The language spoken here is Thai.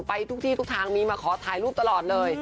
ไปทุกที่ทุกทางมีมาขอถ่ายรูปตลอดเลย